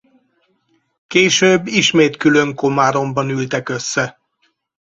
Később ismét külön Komáromban ültek össze.